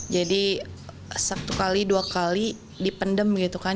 jadi satu kali dua kali dipendem gitu kan